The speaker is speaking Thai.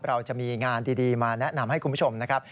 เราจะมีงานดีมาแนะนำให้คุณผู้ชมนะครับ